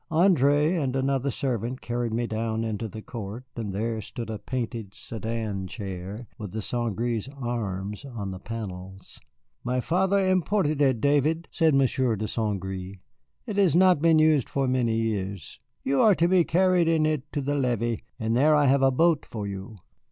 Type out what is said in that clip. André and another servant carried me down into the court, and there stood a painted sedan chair with the St. Gré arms on the panels. "My father imported it, David," said Monsieur de St. Gré. "It has not been used for many years. You are to be carried in it to the levee, and there I have a boat for you."